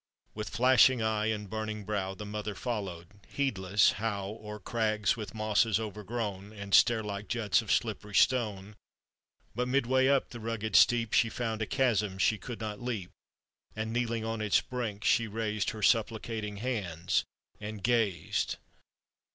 "With flashing eye and burning brow The mother followed, heedless how, O'er crags with mosses overgrown, And stair like juts of slippery stone. But midway up the rugged steep, She found a chasm she could not leap, And, kneeling on its brink, she raised Her supplicating hands, and gazed.